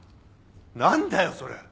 何だよそれ。